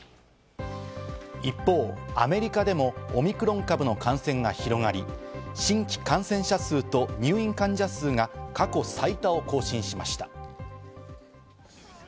一方、アメリカでもオミクロン株の感染が広がり、新規感染者数と入院患者数が過去最多を更新しました。